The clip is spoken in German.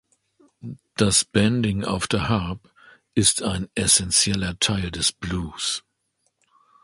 Das Bending auf der Harp ist ein essentieller Teil des Blues.